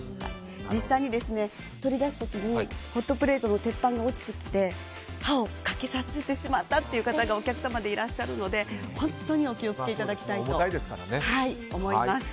実際に取り出す時にホットプレートの鉄板が落ちてきて歯を欠けさせてしまった方がお客様でいらっしゃるので本当にお気を付けいただきたいと思います。